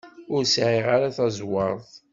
Ur sɛiɣ ara taẓwert.